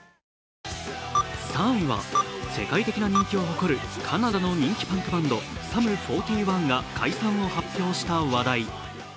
３位は世界的な人気を誇るカナダのパンクバンド、ＳＵＭ４１が解散を発表した話題。